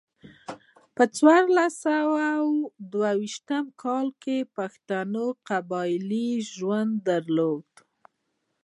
په څوارلس سوه دوه ویشت کال کې پښتنو قبایلي ژوند درلود.